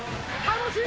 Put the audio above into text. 楽しい！